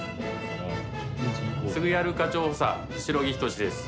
すぐやる課長補佐手代木仁です。